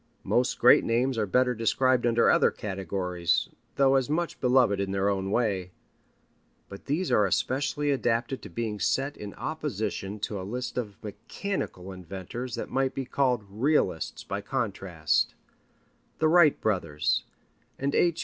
Most great names are better described under other categories, though as much beloved in their own way. But these are especially adapted to being set in opposition to a list of mechanical inventors that might be called realists by contrast: the Wright brothers, and H.